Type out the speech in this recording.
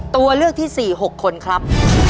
ตัวเลือกที่๔๖คนครับ